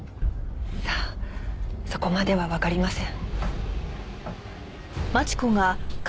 さあそこまではわかりません。